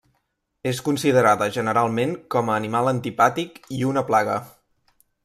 És considerada generalment com a animal antipàtic i una plaga.